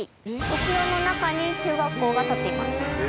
お城の中に中学校が立っています。